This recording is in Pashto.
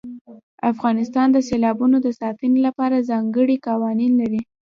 افغانستان د سیلابونو د ساتنې لپاره ځانګړي قوانین لري.